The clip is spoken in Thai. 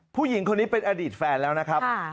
ผู้หญิงคนนี้เป็นอดีตแฟนแล้วนะครับ